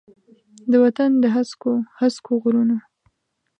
د وطن د هسکو، هسکو غرونو،